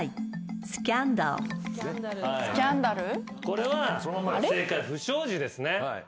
これは正解「不祥事」ですね。